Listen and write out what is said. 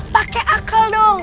pake akal dong